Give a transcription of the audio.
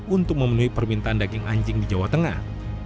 untuk memenuhi permintaan daging anjing di jawa tengah